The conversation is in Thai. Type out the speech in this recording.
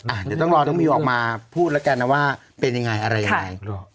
นะฮะอ่ะเดี๋ยวต้องรอทุกคนออกมาพูดแล้วกันนะว่าเป็นอย่างไรอะไรอย่างไร